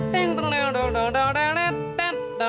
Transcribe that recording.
pak gino kayak roma irama aja